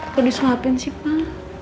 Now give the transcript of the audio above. kok disuapin sih pak